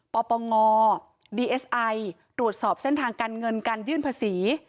ปปงดีเอสไอตรวจสอบเส้นทางการเงินการยื่นภาษี